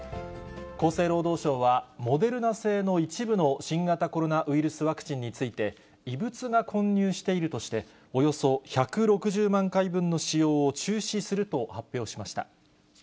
厚生労働省は、モデルナ製の一部の新型コロナウイルスワクチンについて、異物が混入しているとして、およそ１６０万回分の使用を中止すると発表しました。